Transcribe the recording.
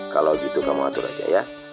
kalau gitu kamu atur aja ya